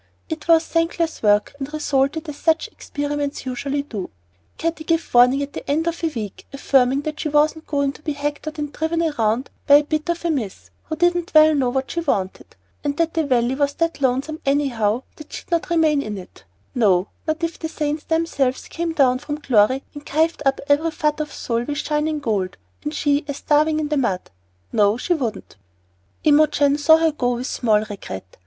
It was thankless work and resulted as such experiments usually do. Katty gave warning at the end of a week, affirming that she wasn't going to be hectored and driven round by a bit of a miss, who didn't well know what she wanted; and that the Valley was that lonesome anyhow that she'd not remain in it; no, not if the Saints themselves came down from glory and kivered up every fut of soil with shining gold, and she a starving in the mud, that she wouldn't! Imogen saw her go with small regret.